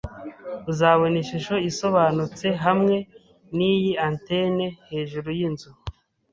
Uzabona ishusho isobanutse hamwe niyi antenne hejuru yinzu.